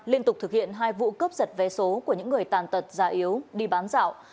liên tục thực hiện hai vụ cướp giật vé số của những người tàn tật già yếu đi bán dạo